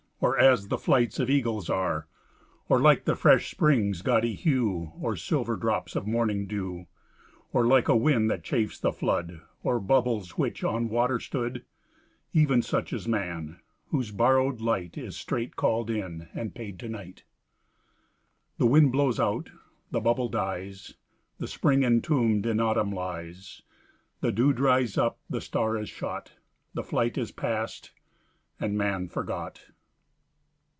Or as the flights of eagles are. Or like the fresh spring's gaudy hue, Or silver drops of morning dew. Or like a wind that chafes the flood, Or bubbles which on water stood: Even such is man, whose borrowed light Is straight called in and paid to night: The wind blowes out; the bubble dies; The spring intomb'd in autumn lies ; The dew's dr/d up; the star is shot; The flight is past; and man forgot!